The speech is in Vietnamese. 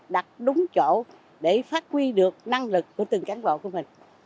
để phát huy được năng lực của từng cán bộ của mình